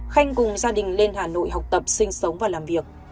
khanh cùng gia đình lên hà nội học tập sinh sống và làm việc